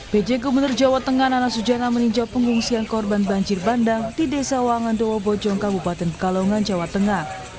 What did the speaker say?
pj gubernur jawa tengah nana sujana meninjau pengungsian korban banjir bandang di desa wangan dowo bojong kabupaten pekalongan jawa tengah